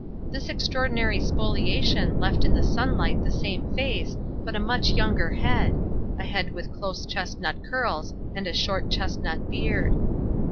This extraordinary spoliation left in the sunlight the same face, but a much younger head a head with close chestnut curls and a short chestnut beard.